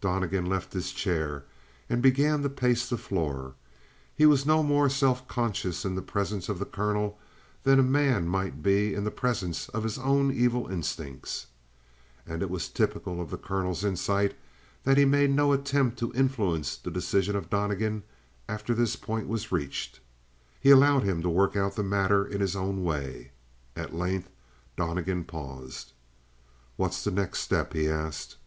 Donnegan left his chair and began to pace the floor. He was no more self conscious in the presence of the colonel than a man might be in the presence of his own evil instincts. And it was typical of the colonel's insight that he made no attempt to influence the decision of Donnegan after this point was reached. He allowed him to work out the matter in his own way. At length, Donnegan paused. "What's the next step?" he asked.